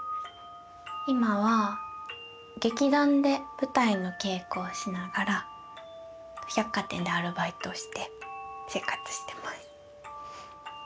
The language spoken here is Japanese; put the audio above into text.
今は劇団で舞台の稽古をしながら百貨店でアルバイトをして生活してます。